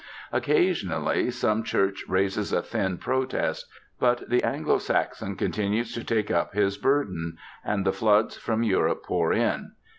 Occasionally some Church raises a thin protest. But the 'Anglo Saxon' continues to take up his burden; and the floods from Europe pour in.